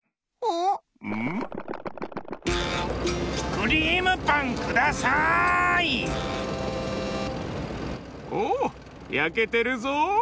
おおやけてるぞ。